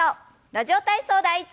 「ラジオ体操第１」。